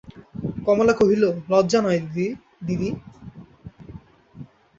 কমলা কহিল, লজ্জা নয় দিদি!